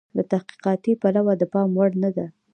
له تحقیقاتي پلوه د پام وړ نه ده.